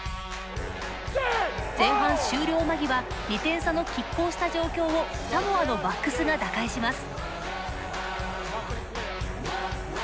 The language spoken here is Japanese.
前半終了間際２点差のきっ抗した状況をサモアのバックスが打開します。